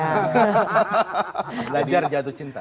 belajar jatuh cinta